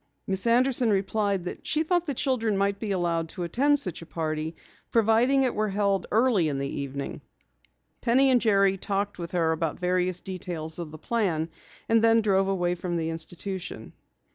Miss Anderson replied that she thought the children might be allowed to attend such a party, providing it were held early in the evening. Penny and Jerry talked with her about various details of the plan, and then drove away from the institution.